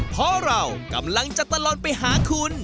เพราะเรากำลังจะตลอดไปหาคุณ